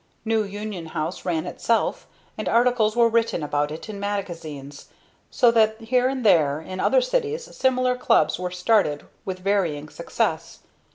New Union Home ran itself, and articles were written about it in magazines; so that here and there in other cities similar clubs were started, with varying success.